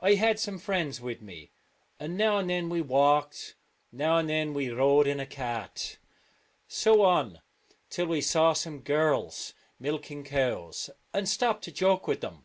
I had some friends with me, and now and then we walked, now and then we rode in a cart. So on till we saw some girls milking cows, and stopped to joke with them.